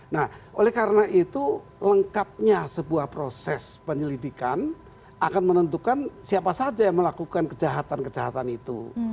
nah oleh karena itu lengkapnya sebuah proses penyelidikan akan menentukan siapa saja yang melakukan kejahatan kejahatan itu